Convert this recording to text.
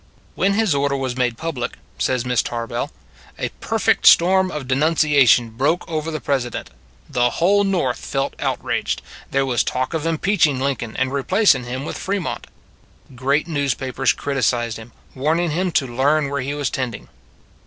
When his order was made public, says Miss Tarbell, " a perfect storm of denun ciation broke over the President. The whole North felt outraged. There was talk of impeaching Lincoln and replacing him with Fremont. Great newspapers criticized him, warning him to learn where he was tending.